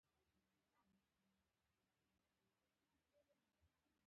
د ویښتو د ماتیدو لپاره کوم تېل وکاروم؟